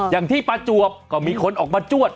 อย่างที่ประจวบก็มีคนออกมาจวด